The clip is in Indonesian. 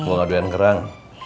gue ga doyan kerang